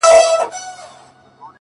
نجلۍ ولاړه په هوا ده او شپه هم يخه ده’